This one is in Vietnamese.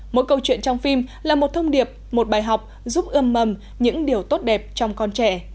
mỗi câu chuyện trong phim là một thông điệp một bài học giúp ươm mầm những điều tốt đẹp trong con trẻ